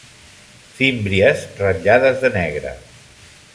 Fímbries ratllades de negre.